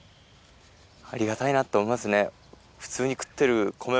ありがたいなって思いますね。